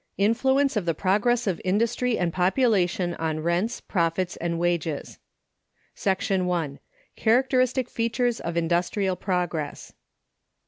Influence Of The Progress Of Industry And Population On Rents, Profits, And Wages. § 1. Characteristic features of industrial Progress.